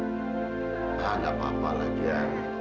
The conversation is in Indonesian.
tidak ada apa apa lagi ya